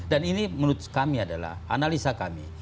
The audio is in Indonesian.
dan ini menurut kami adalah analisa kami